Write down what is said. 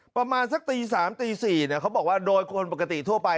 ประมาณสักตี๓ตี๔เขาบอกว่าโดยคนปกติทั่วไป